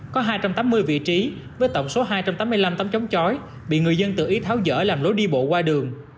có hai trăm tám mươi vị trí với tổng số hai trăm tám mươi năm tấm chống chói bị người dân tự ý tháo dở làm lối đi bộ qua đường